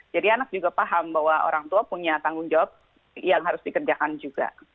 jadi anak juga paham bahwa orang tua punya tanggung jawab yang harus dikerjakan juga